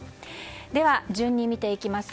では、順に見ていきます。